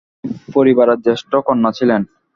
তিনি পরিবারের জ্যেষ্ঠা কন্যা ছিলেন।